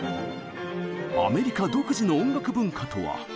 アメリカ独自の音楽文化とは？